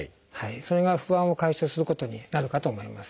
それが不安を解消することになるかと思います。